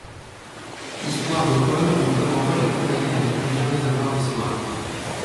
Histoire de Paul ou comment Paul est condamné à ne plus jamais avoir d’histoire.